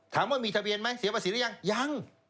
ถามว่ามีทะเบียนไหมเสียภาษีหรือยังยัง